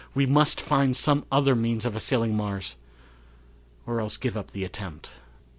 We must find some other means of assailing Mars or else give up the attempt.